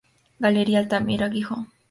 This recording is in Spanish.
Galería Altamira, Gijón.